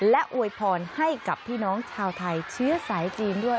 และอวยพรให้กับพี่น้องชาวไทยเชื้อสายจีนด้วย